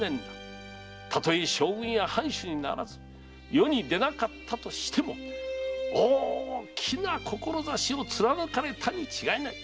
たとえ将軍や藩主にならず世に出なかったとしても大きな志を貫かれたに違いない。